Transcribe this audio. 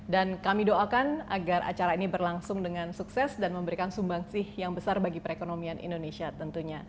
dan kami doakan agar acara ini berlangsung dengan sukses dan memberikan sumbang sih yang besar bagi perekonomian indonesia tentunya